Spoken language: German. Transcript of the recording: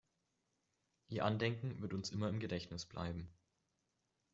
Ihr Andenken wird uns immer im Gedächtnis bleiben.